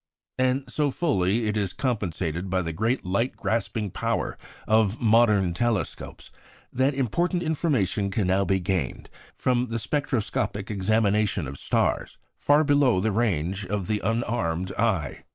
And so fully is it compensated by the great light grasping power of modern telescopes that important information can now be gained from the spectroscopic examination of stars far below the range of the unarmed eye.